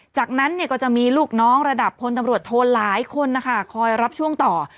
จากนั้นก็จะมีลูกน้องระดับพลตำรวจโทนหลายคนนะคะคอยรับช่วงต่อ